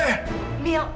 kamu itu digila